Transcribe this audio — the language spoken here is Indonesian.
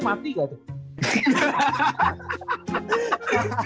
mau mati gak tuh